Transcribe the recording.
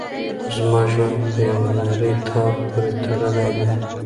زما ژوند په یوه نري تار پورې تړلی دی.